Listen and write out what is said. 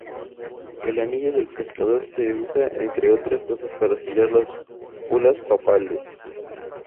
El anillo del pescador se usa entre otras cosas para sellar las bulas papales.